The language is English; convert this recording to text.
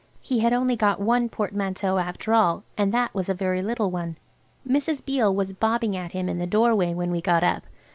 He had only got one portmanteau after all, and that was a very little one. Mrs. Beale was bobbing at him in the doorway when we got up.